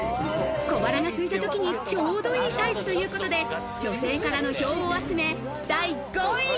小腹がすいたときに、ちょうどいいサイズということで、女性からの票を集め、第５位。